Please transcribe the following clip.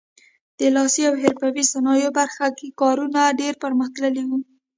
د لاسي او حرفوي صنایعو برخه کې کارونه ډېر پرمختللي وو.